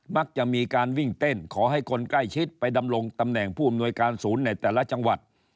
มักจะมีการวิ่งเต้นขอให้คนใกล้ชิดไปดำรงตำแหน่งผู้อำนวยการศูนย์ในแต่ละจังหวัด